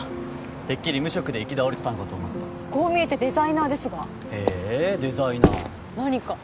てっきり無職で行き倒れてたのかと思ったこう見えてデザイナーですがへえデザイナー何か？